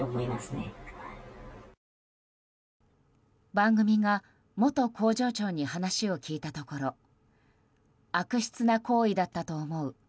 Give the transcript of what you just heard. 番組が元工場長に話を聞いたところ悪質な行為だったと思う。